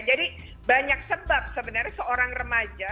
jadi banyak sebab sebenarnya seorang remaja